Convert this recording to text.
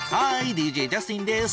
ＤＪジャスティンです。